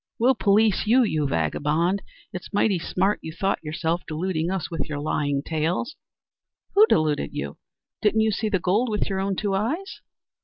"We'll police you, you vagabond. It's mighty smart you thought yourself, deluding us with your lying tales." "Who deluded you? Didn't you see the gold with your own two eyes?"